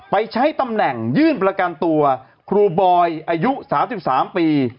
ไปใช้ตำแหน่งยื่นประกันตัวครูบอยอายุ๓๓ปี